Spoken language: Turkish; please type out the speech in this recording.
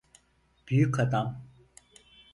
Büyük adam.